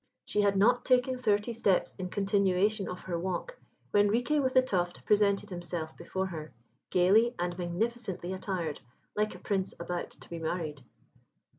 She had not taken thirty steps in continuation of her walk, when Riquet with the Tuft presented himself before her, gaily and magnificently attired, like a Prince about to be married.